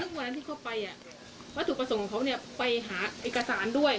เมื่อวานที่เขาไปวัตถุประสงค์ของเขาไปหาเอกสารด้วย